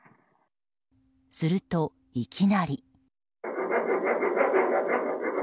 すると、いきなり。